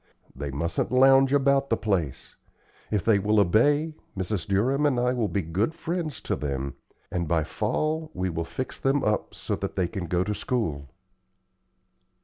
They mustn't lounge about the place. If they will obey, Mrs. Durham and I will be good friends to them, and by fall we will fix them up so that they can go to school."